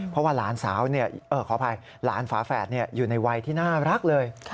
เพราะว่าหลานสาวขออภัยหลานฝาแฝดอยู่ในวัยที่น่ารักเลย